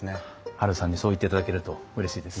ハルさんにそう言っていただけるとうれしいです。